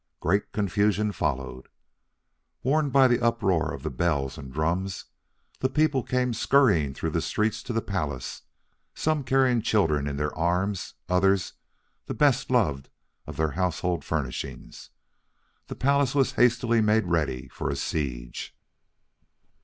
Great confusion followed. Warned by the uproar of the bells and drums, the people came scurrying through the streets to the palace; some carrying children in their arms; others the best beloved of their household furnishings. The palace was hastily made ready for a siege.